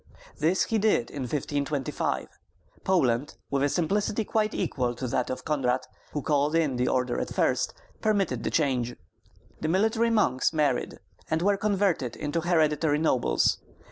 This he did in 1525. Poland, with a simplicity quite equal to that of Konrad, who called in the order at first, permitted the change. The military monks married, and were converted into hereditary nobles.